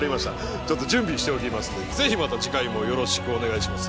ちょっと準備しておきますのでぜひまた次回もよろしくお願いします。